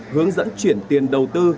hướng dẫn chuyển tiền đầu tư